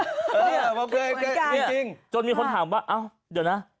เนี้ยเต็มเหมือนกันจนมีคนถามว่าเอ้าเดี๋ยวน่ะ